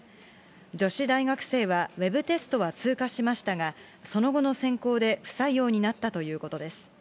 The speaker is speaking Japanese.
女子大学生はウェブテストは通過しましたが、その後の選考で不採用になったということです。